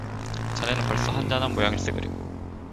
자네는 벌써 한 잔 한 모양일세 그려.